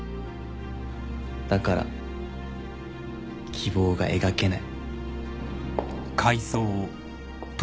だから希望が描けない。